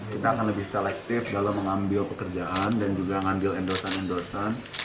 kita akan lebih selektif dalam mengambil pekerjaan dan juga ngambil endosan endorsean